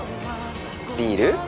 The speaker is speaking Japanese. ビール？